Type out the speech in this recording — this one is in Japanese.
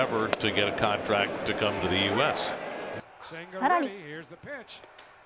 さらに。